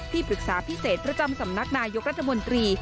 ปรึกษาพิเศษประจำสำนักนายกรัฐมนตรี